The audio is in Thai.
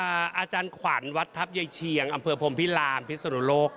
อาจารย์ขวัญวัดทัพยายเชียงอำเภอพรมพิลานพิศนุโลก